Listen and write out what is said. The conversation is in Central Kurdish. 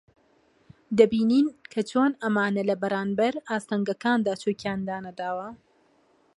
دەبینین کە چۆن ئەمانە لە بەرانبەر ئاستەنگەکاندا چۆکیان دانەداوە